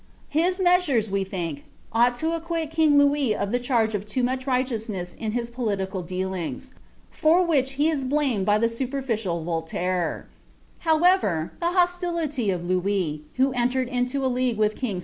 His measures, we think, "III to :^> <fiut king Louis of the charge of too much righteousness itt '! ilf^nifs. for which he is blamed by the superficial Voltainv ij'. hoeiiliiy of Louis, who entered into a league with king